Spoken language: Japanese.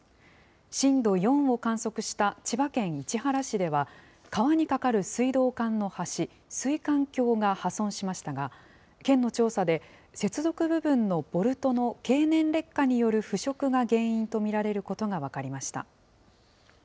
震度４を観測した千葉県市原市では、川に架かる水道管の橋、水管橋が破損しましたが、県の調査で、接続部分のボルトの経年劣化による腐食が原因と見られることが分かりました。